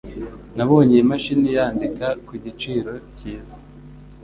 Nabonye iyi mashini yandika ku giciro cyiza.